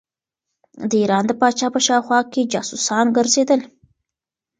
د ایران د پاچا په شاوخوا کې جاسوسان ګرځېدل.